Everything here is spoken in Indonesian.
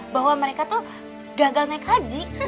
bahwa mereka tuh gagal naik haji